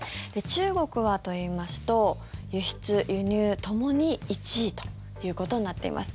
中国はといいますと輸出、輸入ともに１位ということになっています。